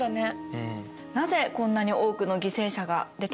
なぜこんなに多くの犠牲者が出たのか。